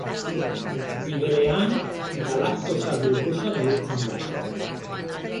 Gibelean galaktosa glukosa bihurtzen da.